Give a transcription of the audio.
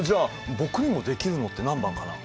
僕にもできるのって何番かな？